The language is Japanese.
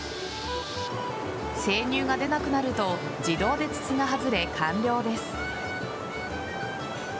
生乳が出なくなると自動で筒が外れ、完了です。